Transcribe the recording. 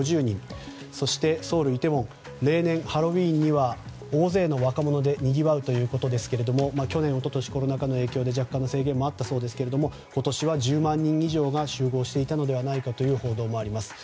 そして、ソウル・イテウォン例年ハロウィーンには大勢の若者でにぎわうということですが去年、一昨年のコロナ禍の影響で若干の制限があったようですが今年は１０万人以上が集合していたのではという報道もあります。